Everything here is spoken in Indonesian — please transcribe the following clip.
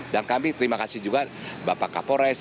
dan kami terima kasih juga bapak kapolres